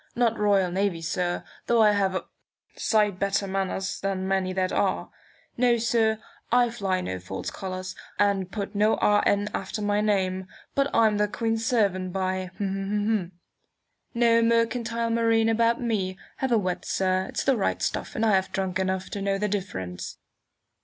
Not Royal Navy, sir, though I have a sight better manners than many that are. No, sir, I fly no false colours, and put no R. N. after my name; but I'm the Queen's servant, by ! No mercantile marine about me! Have a wet, sir! It's the right stuff, and I have drunk enough to know the difference."